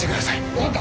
分かった！